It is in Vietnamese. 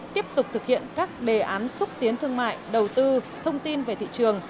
tiếp tục thực hiện các đề án xúc tiến thương mại đầu tư thông tin về thị trường